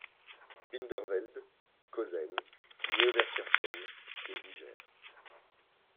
Binderveld, Kozen, Nieuwerkerken et Wijer.